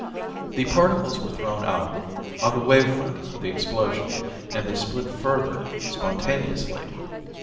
The particles were thrown out on the wave front of the explosion, and they split further, spontaneously.